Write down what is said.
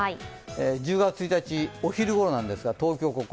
１０月１日、お昼頃なんですが、東京はここ。